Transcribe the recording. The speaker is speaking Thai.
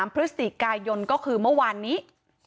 พฤศจิกายนก็คือเมื่อวานนี้